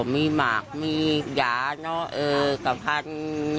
มีหมากมีอาณกามพันธุ์